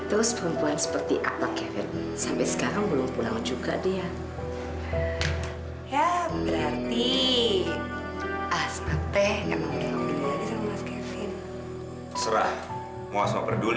abah kok mereka kayak ketakutan gitu sama abah